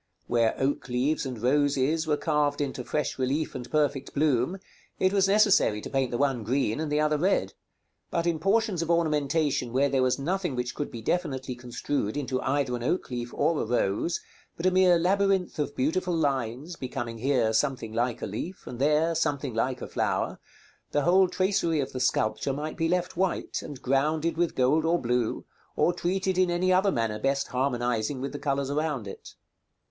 Where oak leaves and roses were carved into fresh relief and perfect bloom, it was necessary to paint the one green and the other red; but in portions of ornamentation where there was nothing which could be definitely construed into either an oak leaf or a rose, but a mere labyrinth of beautiful lines, becoming here something like a leaf, and there something like a flower, the whole tracery of the sculpture might be left white, and grounded with gold or blue, or treated in any other manner best harmonizing with the colors around it.